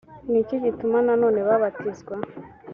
iki gituma nanone babatizwa